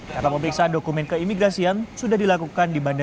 karena pemeriksaan dokumen keimigrasian sudah dilakukan di bandara